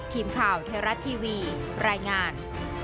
ทีมข่าวไทยรัฐทีวีรายงาน